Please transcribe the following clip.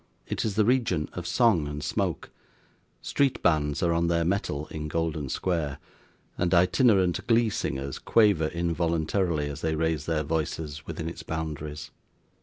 It is the region of song and smoke. Street bands are on their mettle in Golden Square; and itinerant glee singers quaver involuntarily as they raise their voices within its boundaries.